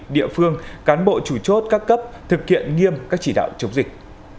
địa phương cán bộ chủ chốt các cấp thực hiện nghiêm các chỉ đạo chống dịch